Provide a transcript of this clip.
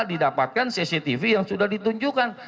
didapatkan cctv yang sudah ditunjukkan